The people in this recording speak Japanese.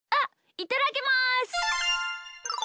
いただきます！